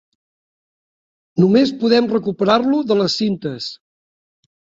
Només podem recuperar-lo de les cintes.